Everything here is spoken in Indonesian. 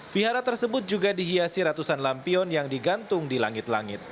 vihara tersebut juga dihiasi ratusan lampion yang digantung di langit langit